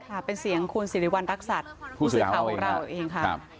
ค่ะเป็นเสียงคุณสิริวัณรักษัตริย์ผู้สื่อข่าวของเราเองค่ะ